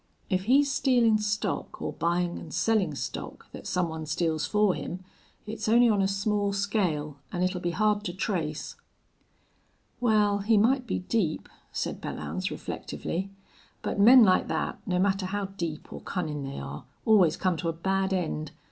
If he's stealin' stock or buyin' an' sellin' stock that some one steals for him, it's only on a small scale, an' it'll be hard to trace." "Wal, he might be deep," said Belllounds, reflectively. "But men like thet, no matter how deep or cunnin' they are, always come to a bad end.